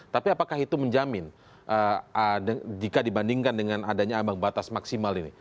tapi apakah itu menjamin jika dibandingkan dengan adanya ambang batas maksimal ini